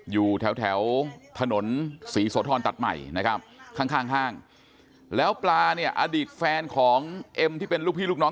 อยู่แถวถนนศรีโสธรตัดใหม่นะครับข้างห้างแล้วปลาเนี่ยอดีตแฟนของเอ็มที่เป็นลูกพี่ลูกน้อง